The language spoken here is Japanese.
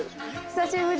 久しぶり。